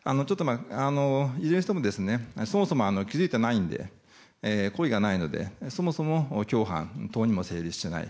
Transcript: いずれにしてもそもそも気づいてないので故意がないのでそもそも共犯なども成立しない。